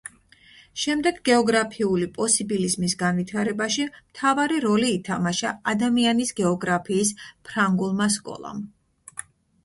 შემდეგ გეოგრაფიული პოსიბილიზმის განვითარებაში მთავარი როლი ითამაშა „ადამიანის გეოგრაფიის“ ფრანგულმა სკოლამ.